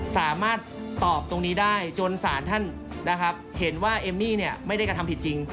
สามารถตอบตรงนี้ได้จนสารท่านนะครับเห็นว่าเอมมี่ไม่ได้กระทำผิดจริง